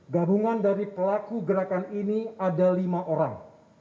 gabungan dari pelaku gerakan ini ada lima orang